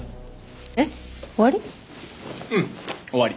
えっ終わり？